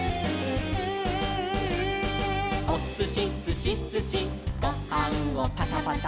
「おすしすしすしごはんをパタパタ」